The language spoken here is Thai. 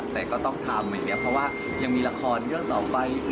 แต่ก็ต้องทำอย่างนี้เพราะว่ายังมีละครเรื่องต่อไป